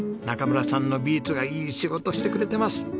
中村さんのビーツがいい仕事してくれてます。